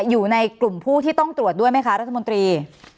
อยู่ในกลุ่มผู้ที่ต้องตรวจด้วยไหมคะรัฐมนตรี